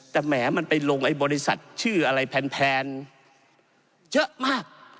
แต่แหมมันไปลงไอ้บริษัทชื่ออะไรแพนเยอะมาก